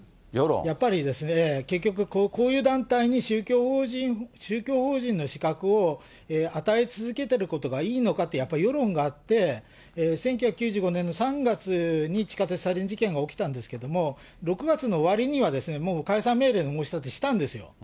やっぱりですね、結局こういう団体に宗教法人の資格を与え続けてることがいいのかって、やっぱり世論があって、１９９５年の３月に地下鉄サリン事件が起きたんですけれども、６月の終わりには、もう解散命令の申し立てしたんですよ。